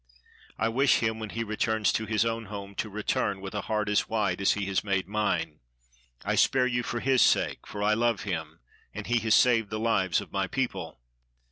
I wish him, when he returns to his own home, to return with a heart as white as he has made mine. I spare you for his sake ; for I love him, and he has saved the lives of my people.